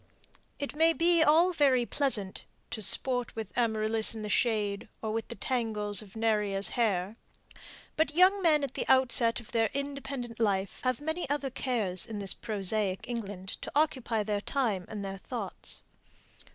It may be all very pleasant "to sport with Amaryllis in the shade, or with the tangles of Neżra's hair," but young men at the outset of their independent life have many other cares in this prosaic England to occupy their time and their thoughts.